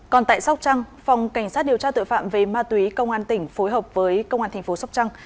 còn tại sóc trăng phòng cảnh sát điều tra tội phạm về ma túy công an tỉnh phối hợp với công an thành phố sóc trăng